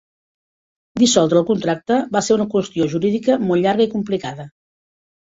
Dissoldre el contracte va ser una qüestió jurídica molt llarga i complicada.